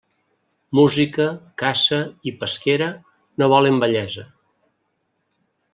Música, caça i pesquera no volen vellesa.